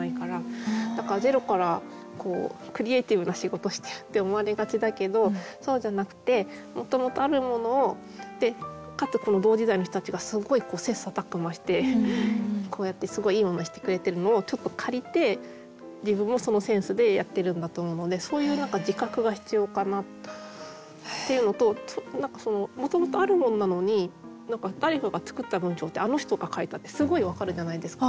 だからゼロからクリエーティブな仕事してるって思われがちだけどそうじゃなくてもともとあるものをかつ同時代の人たちがすごい切磋琢磨してこうやってすごいいいものにしてくれてるのをちょっと借りて自分もそのセンスでやってるんだと思うのでそういう何か自覚が必要かなっていうのと何かもともとあるものなのに誰かが作った文章ってあの人が書いたってすごいわかるじゃないですか。